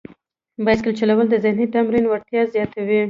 بایسکل چلول د ذهني تمرکز وړتیا زیاتوي.